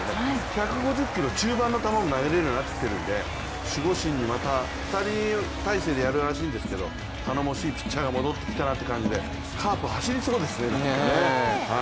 １５０キロ中盤の球を投げられるようになってきてるので守護神にまた、２人態勢でやるらしいんですけど頼もしいピッチャーが戻ってきたなという感じでカープ、走りそうですね。